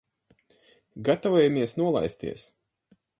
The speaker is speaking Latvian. Gatavojamies nolaisties.